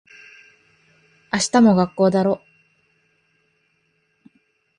明日も学校だろ。